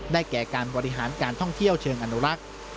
แก่การบริหารการท่องเที่ยวเชิงอนุรักษ์